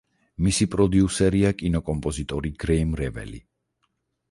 მისი პროდიუსერია კინოკომპოზიტორი გრეიმ რეველი.